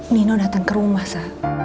nino datang ke rumah masa